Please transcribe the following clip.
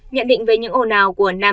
nhận định về những ồn ào của nam em